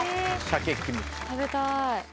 食べたい。